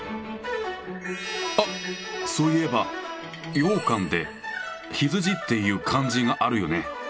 あっそういえば羊羹って羊っていう漢字があるよね？